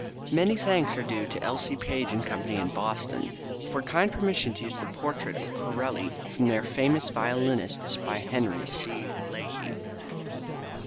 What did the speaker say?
Many thanks are due L. C. Page & Company, of Boston, for kind permission to use the portrait of Corelli, from their "Famous Violinists," by Henry C. Lahee.